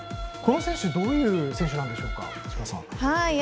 この選手はどういう選手ですか？